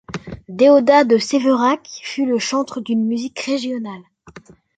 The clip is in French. Déodat de Séverac fut le chantre d'une musique régionale.